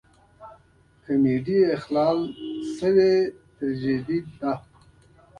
کمیډي اخلال شوې تراژیدي ده.